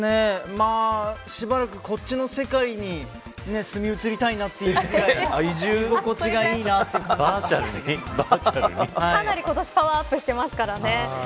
しばらく、こっちの世界に住み移りたいなというくらいかなり今年パワーアップしていますからね。